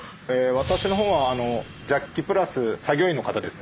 私のほうはジャッキプラス作業員の方ですね。